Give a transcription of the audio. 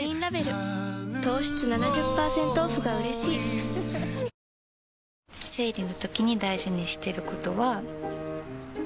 愛に足る想い糖質７０％オフがうれしい生理のときに大事にしてることは。